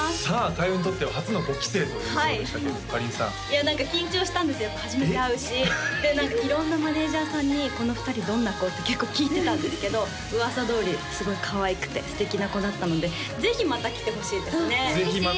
開運にとっては初の５期生ということでしたけれどかりんさんいや何か緊張したんですやっぱ初めて会うしで何か色んなマネージャーさんに「この２人どんな子？」って結構聞いてたんですけど噂どおりすごいかわいくて素敵な子だったのでぜひまた来てほしいですね嬉しいです